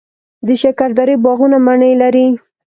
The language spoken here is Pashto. د شکردرې باغونه مڼې لري.